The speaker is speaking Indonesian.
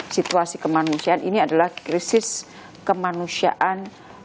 situasi kemanusiaan ini adalah krisis kemanusiaan